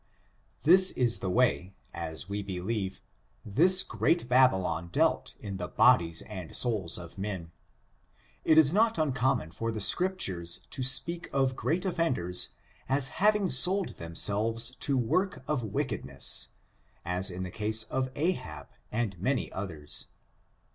This is the way, as we believe, this "great BtAy' Ion" dealt in the bodies and souls of men. It is not uncommon for the Scriptures to speak of great offend ers as having sold themselves to work wickedness, as in the case of Ahab and many others.